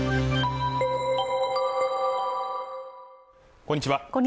こんにちは